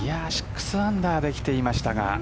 ６アンダーで来ていましたが。